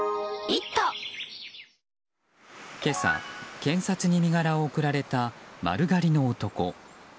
今朝、検察に身柄を送られた丸刈りの男。